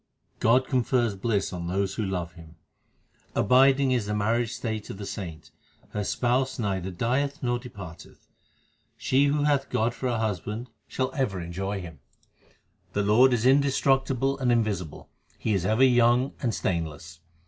God confers bliss on those who love Him : Abiding is the marriage state of the saint ; her Spouse neither dieth nor departeth. She who hath God for her Husband shall ever enjoy Him. The Lord is indestructible and invisible ; He is ever young and stainless.